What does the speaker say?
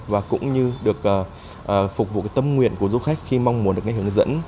và cũng như được phục vụ tâm nguyện của du khách khi mong muốn được nghe hướng dẫn